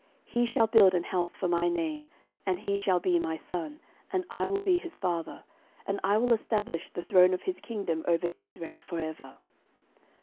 13:022:010 He shall build an house for my name; and he shall be my son, and I will be his father; and I will establish the throne of his kingdom over Israel for ever.